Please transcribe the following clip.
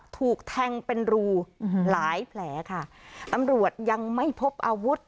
ถูกแทงเป็นรูหลายแผลค่ะตำรวจยังไม่พบอาวุธ